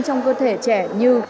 trong cơ thể trẻ như